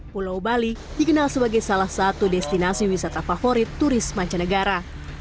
pulau bali dikenal sebagai salah satu destinasi wisata favorit turis mancanegara